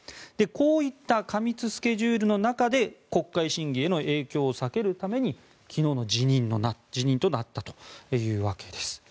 こういった過密スケジュールの中で国会審議への影響を避けるために昨日の辞任となったというわけです。